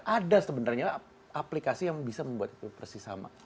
ada sebenarnya aplikasi yang bisa membuat itu persis sama